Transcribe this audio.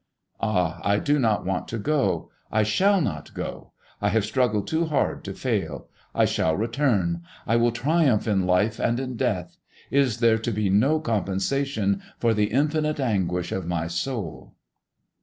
Ah, I do not want to go! I shall not go! I have struggled too hard to fail. I shall return. I will triumph in life and in death. Is there to be no compensation for the infinite anguish of my soul?